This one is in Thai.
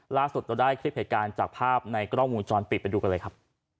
ล่าสุดเราได้คลิปเหตุการณ์จากภาพในกล้องวงจรปิดไปดูกันเลยครับ